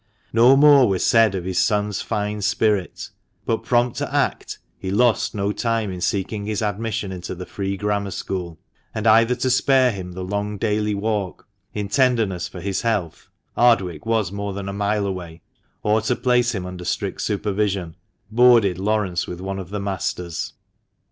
No more was said of his son's fine spirit; but, prompt to act, he lost no time in seeking his admission into the Free Grammar School ; and either to spare him the long daily walk, in tenderness for his health (Ardwick was more than a mile away), or to place him under strict supervision, boarded Laurence with one of the masters.